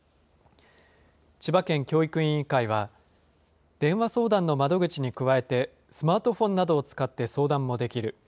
千葉県教育委員会は、電話相談の窓口に加えて、スマートフォンなどを使って相談もできる。